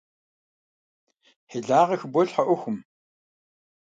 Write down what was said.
Хьилагъэ хыболъхьэ Ӏуэхум!